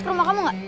ke rumah kamu nggak